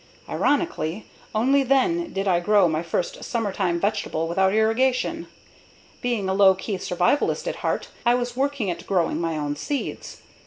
Ironically, only then did I grow my first summertime vegetable without irrigation. Being a low key survivalist at heart, I was working at growing my own seeds.